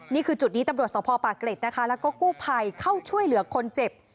นี่คือจุดนี้ตำรวจสภปากเกร็ดนะคะแล้วก็กู้ภัยเข้าช่วยเหลือคนเจ็บ